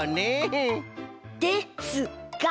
ですが！